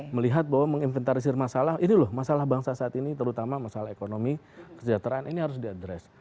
melihat bahwa menginventarisir masalah ini loh masalah bangsa saat ini terutama masalah ekonomi kesejahteraan ini harus diadres